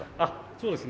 そうですね。